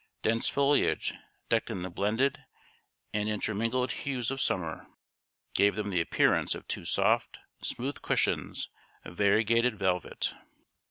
Dense foliage, decked in the blended and intermingled hues of summer, gave them the appearance of two soft, smooth cushions of variegated velvet.